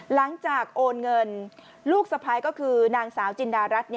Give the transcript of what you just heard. หลังจากโอนเงินลูกสะพ้ายก็คือนางสาวจินดารัฐ